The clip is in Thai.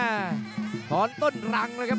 เสริมหักทิ้งลงไปครับรอบเย็นมากครับ